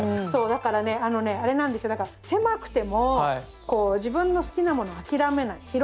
そうだからねあのねあれなんですよだから狭くてもこう自分の好きなものを諦めない。